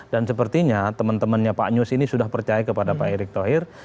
dan sepertinya teman temannya pak nyus ini sudah percaya kepada pak nyus